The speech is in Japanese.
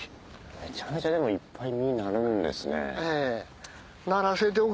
めちゃめちゃいっぱい実なるんですね。